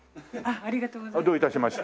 ありがとうございます。